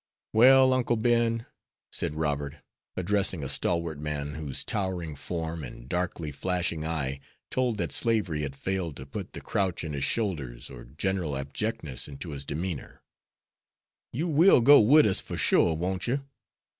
"Well, Uncle Ben," said Robert, addressing a stalwart man whose towering form and darkly flashing eye told that slavery had failed to put the crouch in his shoulders or general abjectness into his demeanor, "you will go with us, for sure, won't you?"